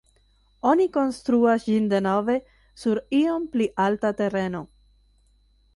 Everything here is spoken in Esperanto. Oni konstruas ĝin denove sur iom pli alta tereno.